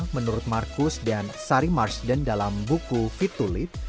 menurut marcus dan sari marsden dalam buku fit to lead